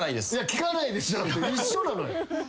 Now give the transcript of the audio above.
聞かないですじゃなくて一緒なのよ。